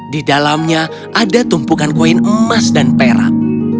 di dalamnya ada tumpukan koin emas dan perak